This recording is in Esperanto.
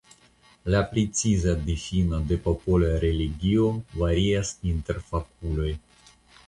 La preciza difino de popola religio varias inter fakuloj.